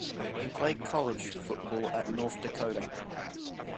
He played college football at North Dakota.